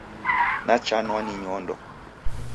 Nachanwa ni nyondo.